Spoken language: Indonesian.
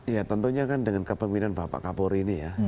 ya tentunya kan dengan kepemimpinan bapak kapolri ini ya